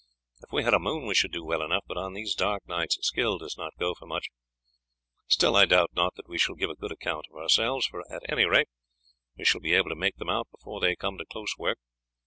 If we had a moon we should do well enough, but on these dark nights skill does not go for much; still, I doubt not that we shall give a good account of ourselves, for at any rate we shall be able to make them out before they come to close work.